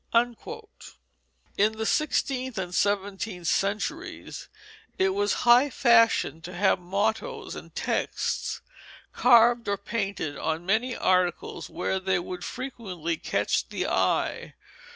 [Illustration: Polly Coggeshall's Sampler] In the sixteenth and seventeenth centuries it was high fashion to have mottoes and texts carved or painted on many articles where they would frequently catch the eye.